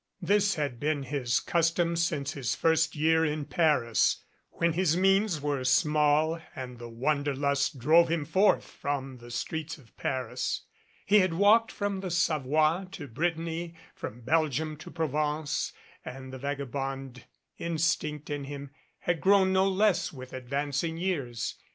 This had been his custom since his first year in Paris, when his means were small and the wanderlust drove him forth from the streets of Paris. He had walked from the Sa voie to Brittany, from Belgium to Provence and the vagabond instinct in him had grown no less with advanc ing years.